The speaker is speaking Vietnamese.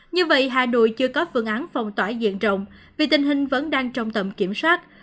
như vậy hà nội chưa có phương án phòng tỏa diện rộng vì tình hình vẫn đang trong tầm kiểm soát